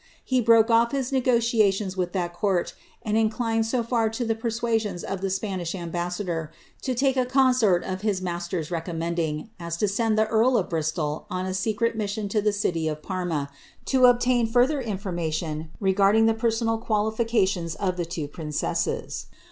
lie broke ofif his negotiations with that court, and in clined so far to the persuasions of the Spanish ambassador, to take i consort of his masters recommending, as to send the earl of Bristol oo a secret mission to the city of Parma, to obtain further informatioB regarding the personal qualifications of the two princesses.